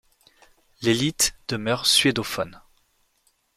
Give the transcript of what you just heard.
L'élite demeure suédophone.